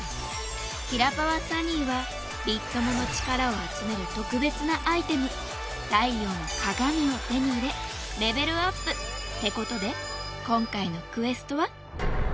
キラパワサニーはビッ友の力を集める特別なアイテム太陽の鏡を手に入れレベルアップ！ってことで今回のクエストは？